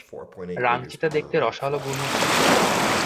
রাং চিতা দেখতে রসালো গুল্ম বিশিষ্ট।